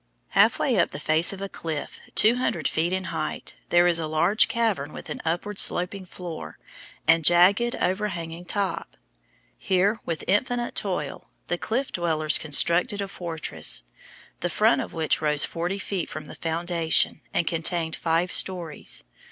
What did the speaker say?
Halfway up the face of a cliff two hundred feet in height, there is a large cavern with an upward sloping floor and jagged overhanging top. Here with infinite toil the Cliff Dwellers constructed a fortress, the front of which rose forty feet from the foundation and contained five stories.